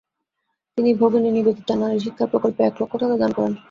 তিনি ভগিনী নিবেদিতার নারী শিক্ষার প্রকল্পে এক লক্ষ টাকা দান করেন।